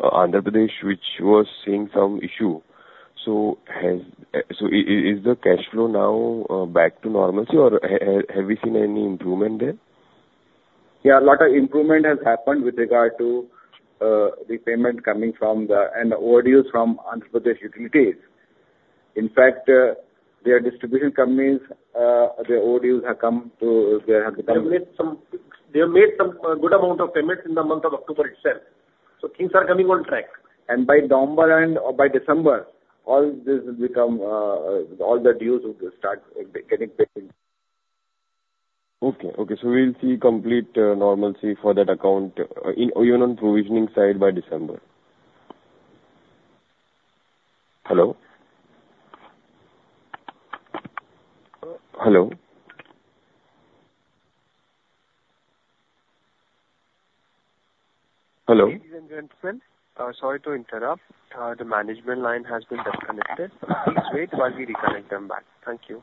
Andhra Pradesh, which was seeing some issue. So, so is the cash flow now back to normalcy or have we seen any improvement there? Yeah, a lot of improvement has happened with regard to the payment coming from the and the overdues from Andhra Pradesh utilities. In fact, their distribution companies, their overdues have come to, they have become- They have made a good amount of payments in the month of October itself, so things are coming on track. By November and, or by December, all this will become, all the dues will start getting paid. Okay. Okay, so we'll see complete normalcy for that account, even on provisioning side by December. Hello? Hello? Hello. Ladies and gentlemen, sorry to interrupt. The management line has been disconnected. Please wait while we reconnect them back. Thank you. ...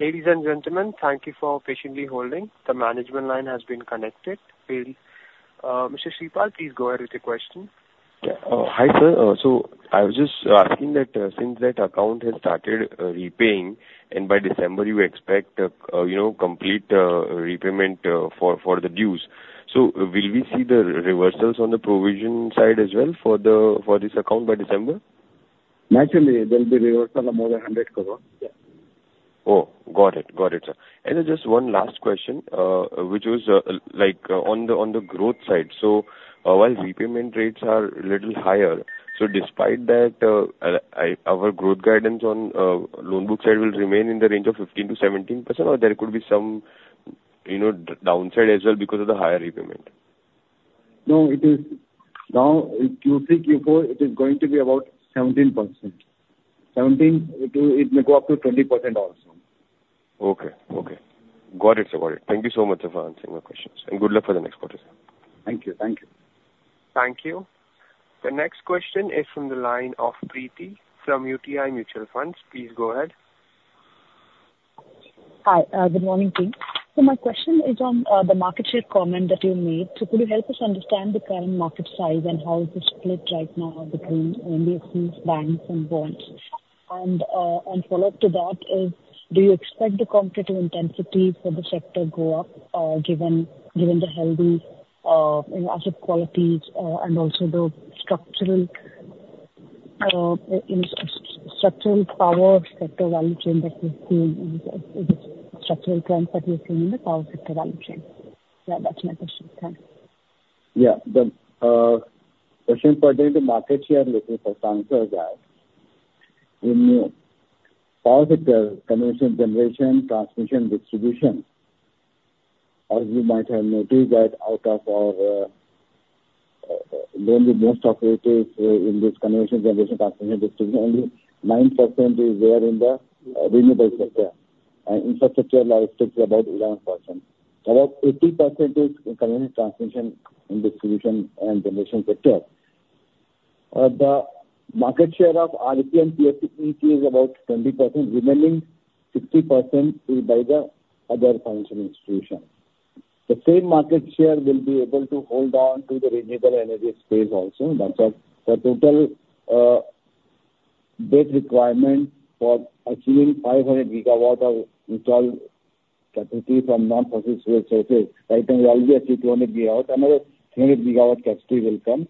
Ladies and gentlemen, thank you for patiently holding. The management line has been connected. Mr. Sripal, please go ahead with your question. Yeah. Hi, sir. So I was just asking that since that account has started repaying, and by December, you expect, you know, complete repayment for the dues. So will we see the reversals on the provision side as well for this account by December? Naturally, there'll be reversal of more than 100 crore. Yeah. Oh, got it. Got it, sir. Then just one last question, which was, like, on the growth side. So, while repayment rates are a little higher, so despite that, our growth guidance on loan book side will remain in the range of 15%-17%, or there could be some, you know, downside as well because of the higher repayment? No, it is now Q3, Q4, it is going to be about 17%. Seventeen, it will, it may go up to 20% also. Okay. Okay. Got it, sir. Got it. Thank you so much, sir, for answering my questions, and good luck for the next quarter. Thank you. Thank you. Thank you. The next question is from the line of Preeti from UTI Mutual Funds. Please go ahead. Hi, good morning, team. So my question is on the market share comment that you made. So could you help us understand the current market size and how is it split right now between NBFCs, banks and bonds? And follow up to that is, do you expect the competitive intensity for the sector go up, given the healthy asset qualities, and also the structural trends that you're seeing in the power sector value chain? Yeah, that's my question. Thanks. Yeah. The question pertaining to market share with respect to that, in power sector, transmission, generation, transmission, distribution, as you might have noticed that out of our only most operators in this transmission, generation, transmission, distribution, only 9% is there in the renewable sector, and infrastructure like it's about 11%. About 80% is in transmission, transmission, and distribution and generation sector. The market share of REC and PFC is about 20%, remaining 60% is by the other financial institution. The same market share will be able to hold on to the renewable energy space also. That's why the total debt requirement for achieving 500 gigawatt of installed capacity from non-fossil fuel sources. Right now, we already achieved 200 gigawatt, another 300 gigawatt capacity will come.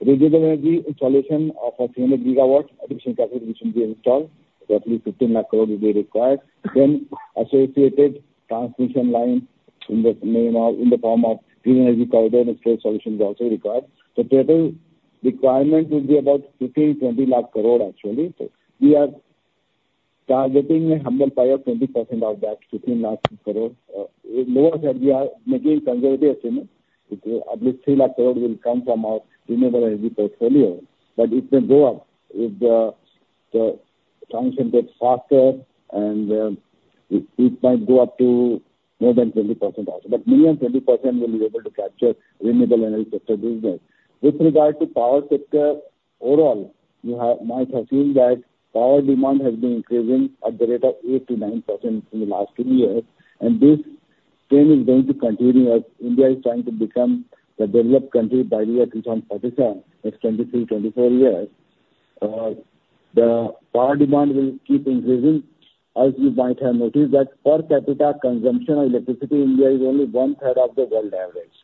Renewable energy installation of 300 gigawatt additional capacity which will be installed, roughly 15 lakh crore will be required. Then, associated transmission line in the name of, in the form of Green Energy Corridor and storage solutions is also required. The total requirement will be about 15-20 lakh crore actually. So we are targeting a humble pie of 20% of that 15 lakh crore. In lower side, we are making conservative estimate. At least 3 lakh crore will come from our renewable energy portfolio, but it can go up if the transition gets faster, and it might go up to more than 20% also. But we and 20% will be able to capture renewable energy sector business. With regard to power sector overall, you have might assume that power demand has been increasing at the rate of 8-9% in the last two years, and this trend is going to continue as India is trying to become a developed country by the year 2057, that's 23-24 years. The power demand will keep increasing. As you might have noticed that per capita consumption of electricity, India is only one-third of the world average.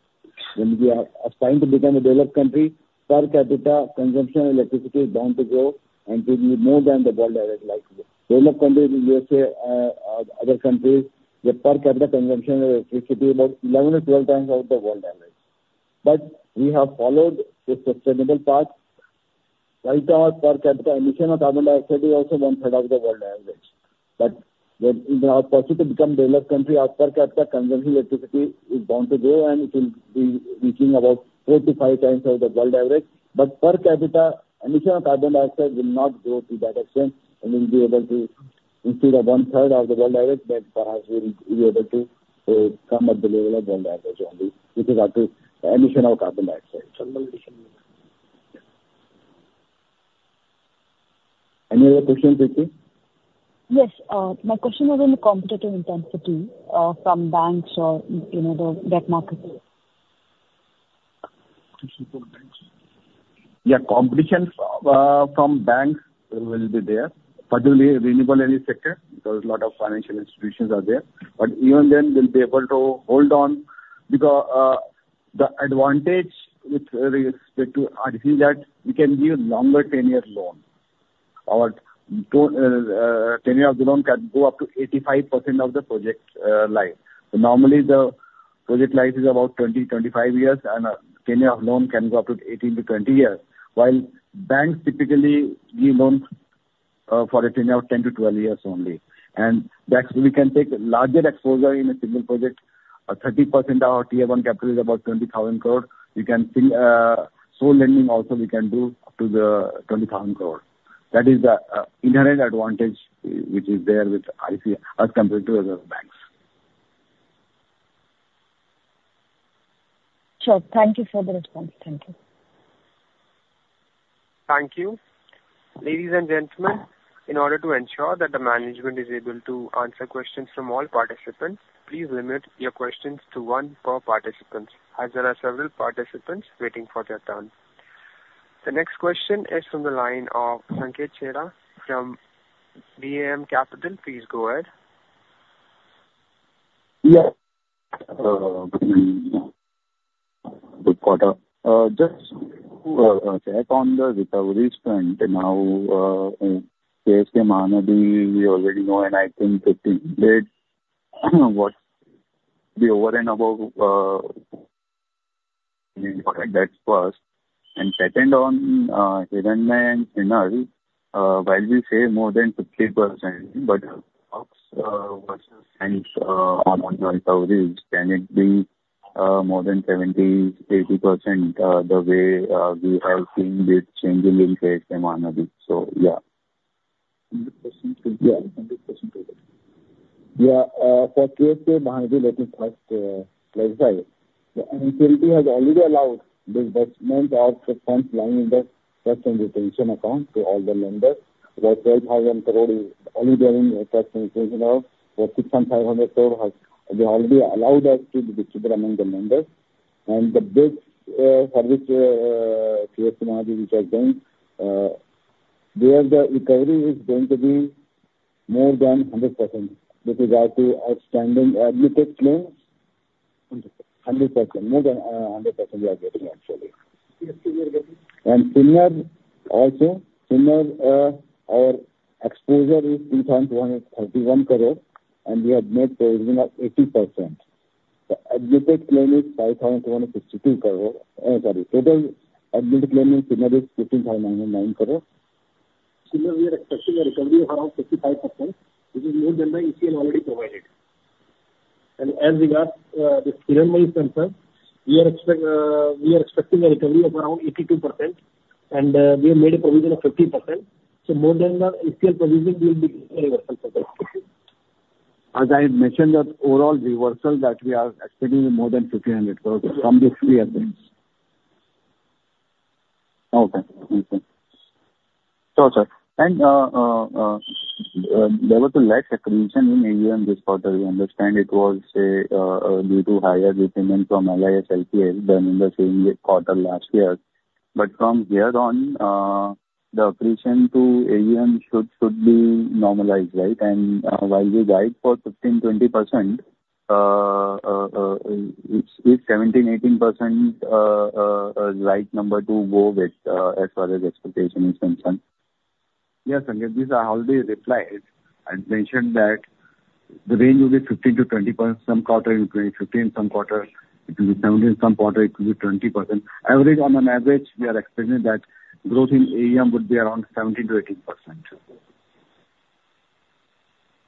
When we are assigned to become a developed country, per capita consumption of electricity is bound to grow and will be more than the world average, like developed countries in USA, other countries, the per capita consumption of electricity is about 11-12 times of the world average. But we have followed a sustainable path, right? Our per capita emission of carbon dioxide is also one third of the world average. But when in our path to become developed country, our per capita consumption electricity is bound to grow, and it will be reaching about 45 times of the world average. But per capita emission of carbon dioxide will not grow to that extent, and we'll be able to instead of one third of the world average, that perhaps we'll be able to come at the level of world average only with regard to the emission of carbon dioxide. Any other questions, Kitty? Yes. My question was on the competitive intensity from banks or in the debt market. Yeah, competition from banks will be there, particularly renewable energy sector, because a lot of financial institutions are there. But even then, we'll be able to hold on, because the advantage with respect to REC is that we can give longer ten-year loan. Our tenure of the loan can go up to 85% of the project life. So normally, the project life is about 20, 25 years, and tenure of loan can go up to 18 to 20 years, while banks typically give loans for a tenure of 10 to 12 years only. And that we can take larger exposure in a single project. 30% of our Tier I capital is about INR 20,000 crore. We can still, so lending also we can do up to the INR 20,000 crore. That is the inherent advantage which is there with ICAI as compared to other banks. Sure. Thank you for the response. Thank you. Thank you. Ladies and gentlemen, in order to ensure that the management is able to answer questions from all participants, please limit your questions to one per participant, as there are several participants waiting for their turn. The next question is from the line of Sanket Chheda from DAM Capital. Please go ahead. Yeah. Good quarter. Just check on the recovery front. Now, in KSK Mahanadi, we already know, and I think 50 did what the over and above. That's first. And second, on Hiranmaye and Sinnar, while we say more than 50%, but what and on recoveries, can it be more than 70-80% the way we are seeing it changing in case Mahanadi? So, yeah. 100%. Yeah. 100%. Yeah, for KSK Mahanadi, let me first clarify. The NPAs has already allowed the disbursement of the funds lying in the trust and retention account to all the lenders. Where INR 12,000 crore is already in the trust and retention account, where INR 650 crore has... They already allowed us to distribute among the lenders. And the bids for which KSK Mahanadi which has done, there the recovery is going to be more than 100% with regard to outstanding admitted claims. 100%. 100%. More than 100% we are getting actually. Yes, we are getting. And Sinnar also. Sinnar, our exposure is 3,131 crore, and we have made a provision of 80%. The admitted claim is 5,150 crore, sorry. Total admitted claim in Sinnar is 15,909 crore. Sinnar, we are expecting a recovery of around 55%, which is more than the ECL already provided. And as regards the Hiranmaye concern, we are expecting a recovery of around 82%, and we have made a provision of 50%. So more than the ECL provision will be reversal. As I mentioned, the overall reversal that we are expecting more than 1,500 crore from the three accounts. Okay. Thank you. Sure, sir. And there was a less accretion in AUM this quarter. We understand it was due to higher repayment from L/LHPPL than in the same quarter last year. But from here on, the accretion to AUM should be normalized, right? And while we guide for 15-20%, is 17-18% a right number to go with as far as expectation is concerned? Yes, and these I already replied. I mentioned that the range will be 15-20% some quarter in 2025, some quarter it will be 17%, some quarter it will be 20%. On average, we are expecting that growth in AUM would be around 17%-18%.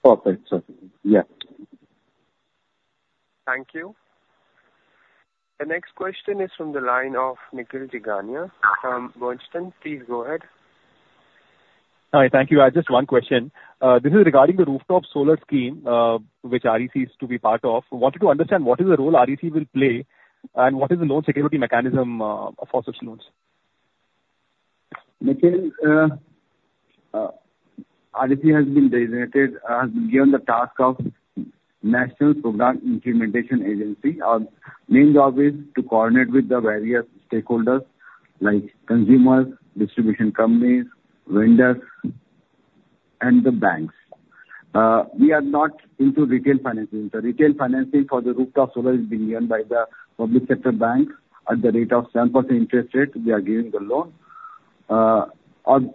...Perfect, sir. Yeah. Thank you. The next question is from the line of Nikhil Jigania from Goldman Sachs. Please go ahead. Hi, thank you. I have just one question. This is regarding the rooftop solar scheme, which REC is to be part of. I wanted to understand what is the role REC will play, and what is the loan security mechanism for such loans? Nikhil, REC has been designated, has been given the task of National Program Implementation Agency. Our main job is to coordinate with the various stakeholders, like consumers, distribution companies, vendors, and the banks. We are not into retail financing. The retail financing for the rooftop solar is being done by the public sector banks at the rate of 7% interest rate; they are giving the loan, and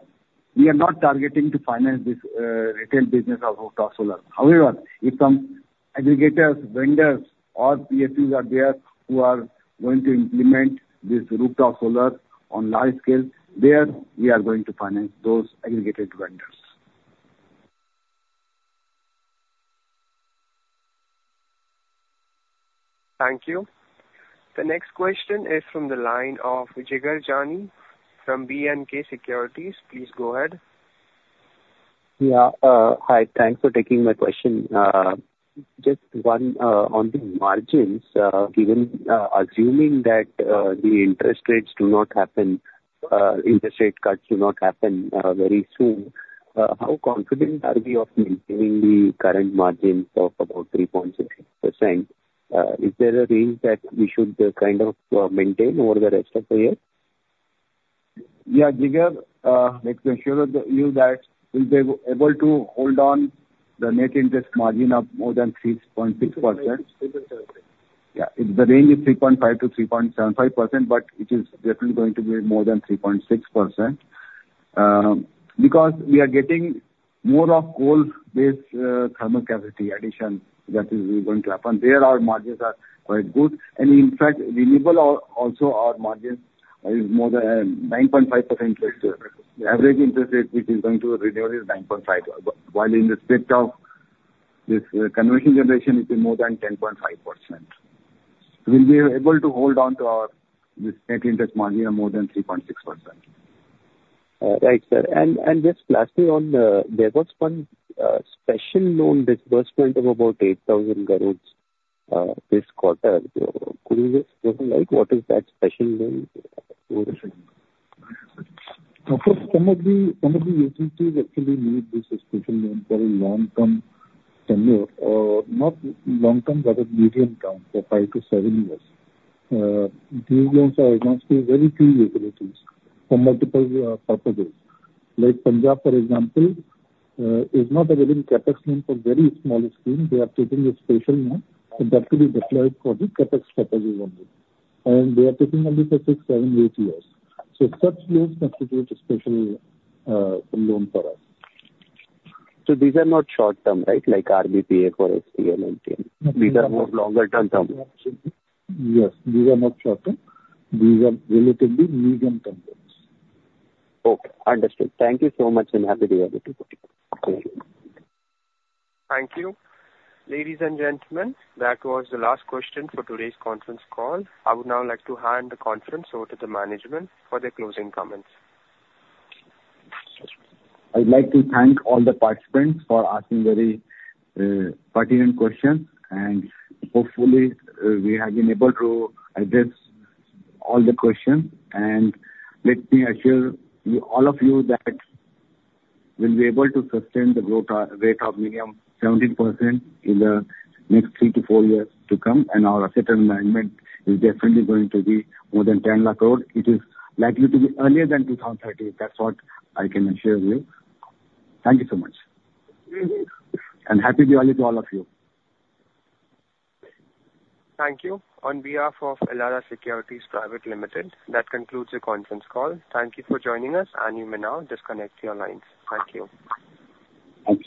we are not targeting to finance this, retail business of rooftop solar. However, if some aggregators, vendors, or PSUs are there who are going to implement this rooftop solar on large scale, there we are going to finance those aggregated vendors. Thank you. The next question is from the line of Jigar Jani from B&K Securities. Please go ahead. Yeah. Hi, thanks for taking my question. Just one, on the margins, given, assuming that, the interest rates do not happen, interest rate cuts do not happen, very soon, how confident are we of maintaining the current margins of about 3.6%? Is there a range that we should kind of, maintain over the rest of the year? Yeah, Jigar, let me assure you that we'll be able to hold on the net interest margin of more than 3.6%. Three point seven. Yeah. If the range is 3.5%-3.75%, but it is definitely going to be more than 3.6%. Because we are getting more of coal-based thermal capacity addition that is going to happen. There, our margins are quite good. And in fact, the renewable are also our margins is more than 9.5% interest. The average interest rate, which is going to renew, is 9.5%, while in the state of this conversion generation, it is more than 10.5%. We'll be able to hold on to our, this net interest margin of more than 3.6%. Right, sir. And just lastly on, there was one special loan disbursement of about 8,000 crores this quarter. Could you just clarify what is that special loan for? Of course, some of the utilities actually need this special loan for a long-term tenure, or not long-term, but a medium-term, for five to seven years. These loans are advanced to very few utilities for multiple purposes. Like Punjab, for example, is not availing CapEx loan for very small scheme. They are taking a special loan that will be deployed for the CapEx strategy only, and they are taking only for six, seven, eight years. So such loans constitute a special loan for us. These are not short-term, right? Like RBPA for SPN and PN. These are more longer-term. Yes, these are not short-term. These are relatively medium-term loans. Okay, understood. Thank you so much, and happy Diwali to you. Thank you. Thank you. Ladies and gentlemen, that was the last question for today's conference call. I would now like to hand the conference over to the management for their closing comments. I'd like to thank all the participants for asking very, pertinent questions, and hopefully, we have been able to address all the questions, and let me assure you, all of you, that we'll be able to sustain the growth, rate of minimum 17% in the next three to four years to come, and our assets under management is definitely going to be more than 10 lakh crore. It is likely to be earlier than 2030. That's what I can assure you. Thank you so much, and Happy Diwali to all of you. Thank you. On behalf of Elara Securities Private Limited, that concludes the conference call. Thank you for joining us, and you may now disconnect your lines. Thank you. Thank you.